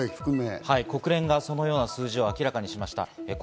国連がそのような数字を明らかにしました。